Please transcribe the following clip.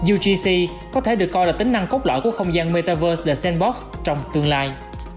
ugc có thể được coi là tính năng cốt lõi của không gian metaverse the sandbox trong tương lai